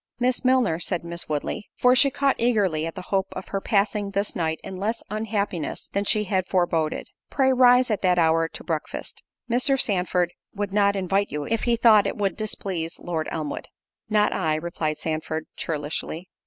"Miss Milner," said Miss Woodley, (for she caught eagerly at the hope of her passing this night in less unhappiness than she had foreboded) "pray rise at that hour to breakfast; Mr. Sandford would not invite you, if he thought it would displease Lord Elmwood." "Not I," replied Sandford, churlishly.